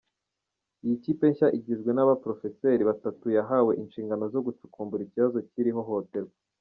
Iyi kipe nshya igizwe n’ abaporofeseri batatu yahawe inshingano zo gucukumbura ikibazo kiri hohoterwa.